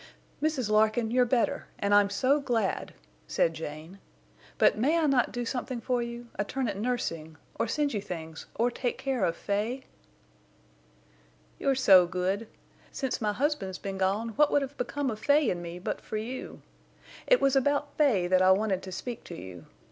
"Mrs. Larkin, you're better, and I'm so glad," said Jane. "But may I not do something for you—a turn at nursing, or send you things, or take care of Fay?" "You're so good. Since my husband's been gone what would have become of Fay and me but for you? It was about Fay that I wanted to speak to you.